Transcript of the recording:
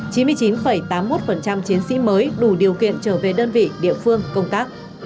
chín mươi chín tám mươi một chiến sĩ mới đủ điều kiện trở về đơn vị địa phương công tác